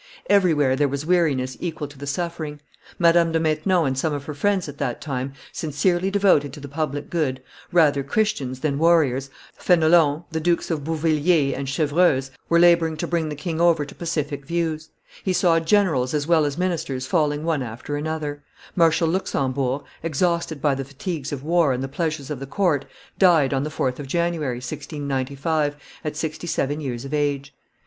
everywhere there was weariness equal to the suffering. Madame de Maintenon and some of her friends at that time, sincerely devoted to the public good, rather Christians than warriors, Fenelon, the Dukes of Beauvilliers and Chevreuse, were laboring to bring, the king over to pacific views; he saw generals as well as ministers falling one after another; Marshal Luxembourg, exhausted by the fatigues of war and the pleasures of the court, died on the 4th of January, 1695, at sixty seven years of age.